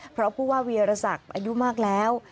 เพราะผู้ว่าเวียรศักดิ์อายุมากแล้ว